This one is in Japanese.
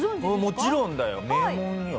もちろんだよ名門よ。